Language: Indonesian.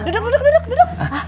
duduk duduk duduk